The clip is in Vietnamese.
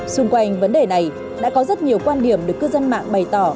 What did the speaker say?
xung quanh vấn đề này đã có rất nhiều quan điểm được cư dân mạng bày tỏ